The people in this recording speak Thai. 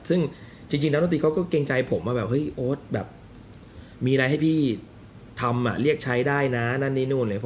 ซึ่งจริงธนาดนตรีเขาก็เกรงใจผมว่าโอ๊ตมีอะไรให้พี่ทำเรียกใช้ได้นะนั่นนี่นู่น